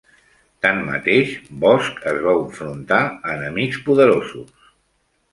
Tanmateix, Bosch es va enfrontar a enemics poderosos.